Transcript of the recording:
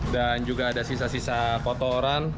dan juga ada sisa sisa kotoran